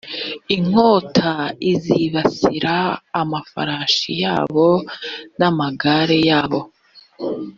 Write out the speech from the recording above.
inkota izibasira amafarashi yabo n amagare yabo